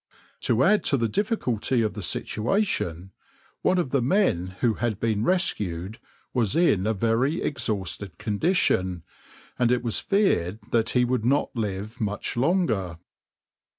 To add to the difficulty of the situation, one of the men who had been rescued was in a very exhausted condition, and it was feared that he would not live much longer.